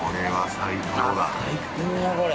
最高だな、これ。